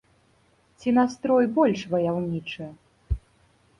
Ці настрой больш ваяўнічы?